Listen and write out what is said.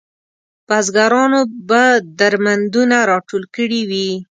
بزګرانو به درمندونه راټول کړي وو.